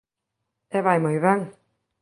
E vai moi ben.